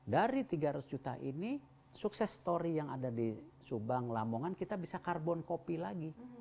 dari tiga ratus juta ini sukses story yang ada di subang lamongan kita bisa carbon copy lagi